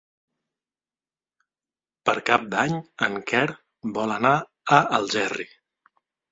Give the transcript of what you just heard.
Per Cap d'Any en Quer vol anar a Algerri.